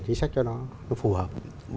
chính sách cho nó nó phù hợp